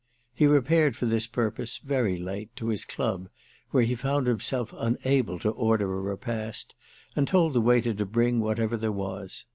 He repaired for this purpose, very late, to his club, where he found himself unable to order a repast and told the waiter to bring whatever there was.